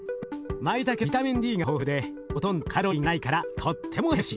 まいたけはビタミンＤが豊富でほとんどカロリーがないからとってもヘルシー。